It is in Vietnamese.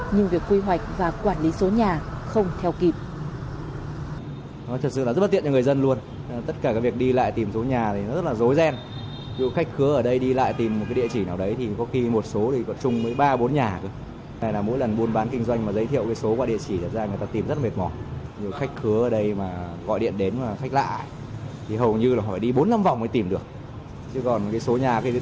nhưng việc quy hoạch và quản lý số nhà không theo kịp